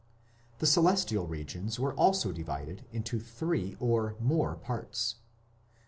The celestial regions were also divided into three or more parts.